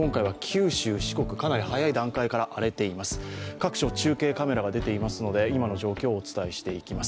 各所中継カメラが出ていますので、今の状況をお伝えしていきます。